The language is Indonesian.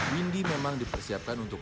windy memang dipersiapkan untuk